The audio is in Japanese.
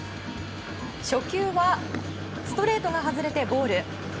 初球はストレートが外れてボール。